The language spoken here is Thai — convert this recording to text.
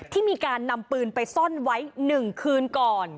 ที่มีการนำปืนไปซ่อนไว้๑คืนก่อน